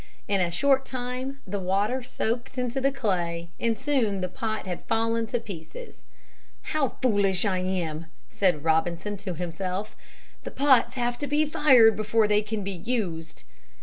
In a short time the water soaked into the clay and soon the pot had fallen to pieces. "How foolish I am!" said Robinson to himself; "the pots have to be fired before they can be used."